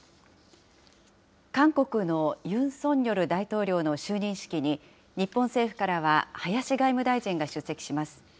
韓国のユン・ソンニョル大統領の就任式に、日本政府からは、林外務大臣が出席します。